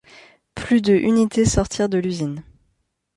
Plus de unités sortirent de l'usine.